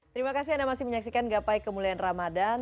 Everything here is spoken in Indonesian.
terima kasih anda masih menyaksikan gapai kemuliaan ramadan